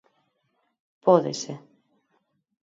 Pódese.